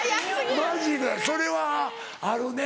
マジでそれはあるね。